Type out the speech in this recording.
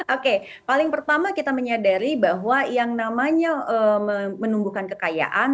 oke paling pertama kita menyadari bahwa yang namanya menumbuhkan kekayaan